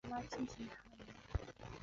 元朝初年废除。